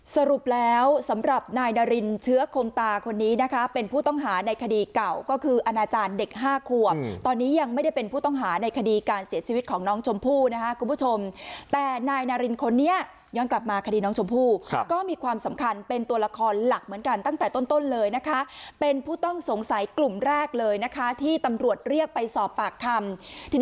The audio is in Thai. สรุปแล้วสำหรับนายนารินเชื้อคมตาคนนี้นะคะเป็นผู้ต้องหาในคดีเก่าก็คืออนาจารย์เด็กห้าขวบตอนนี้ยังไม่ได้เป็นผู้ต้องหาในคดีการเสียชีวิตของน้องชมพู่นะคะคุณผู้ชมแต่นายนารินคนนี้ย้อนกลับมาคดีน้องชมพู่ก็มีความสำคัญเป็นตัวละครหลักเหมือนกันตั้งแต่ต้นเลยนะคะเป็นผู้ต้องสงสัยกลุ่มแรกเลยนะคะที่ตำรวจเรียกไปสอบปากคำที